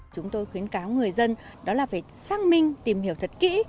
chúng tôi khuyến cáo người dân đó là phải xác minh tìm hiểu thật kỹ